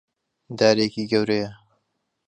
دارێکی گەورەیە.